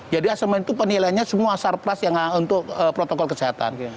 jadi assessment itu penilainya semua asar plast untuk protokol kesehatan